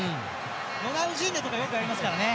ロナウジーニョとかよくやりますよね。